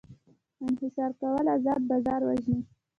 انحصار کول ازاد بازار وژني.